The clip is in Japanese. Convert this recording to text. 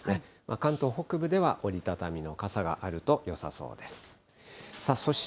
関東北部では、折り畳みの傘があるとよさそうです。